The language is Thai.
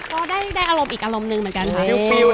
ก็ได้อารมณ์อีกอารมณ์หนึ่งเหมือนกันค่ะ